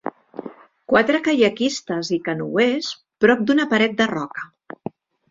Quatre caiaquistes i canoers prop d'una paret de roca.